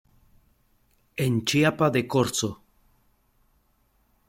En Chiapa de Corzo.